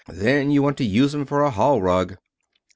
Then you want to use 'em for a hall rug."